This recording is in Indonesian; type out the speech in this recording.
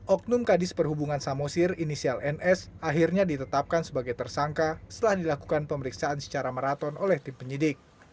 oknum kadis perhubungan samosir inisial ns akhirnya ditetapkan sebagai tersangka setelah dilakukan pemeriksaan secara maraton oleh tim penyidik